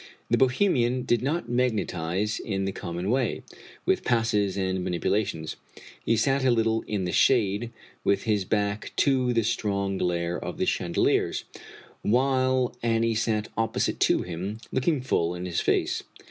The Bohemian did not magnetize in the common way, with passes and manipulations. He sat a little in the shade, with his back to the strong glare of the chandeliers, while Annie sat opposite to him, looking full in his face.